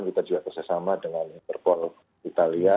kita juga kerjasama dengan interpol italia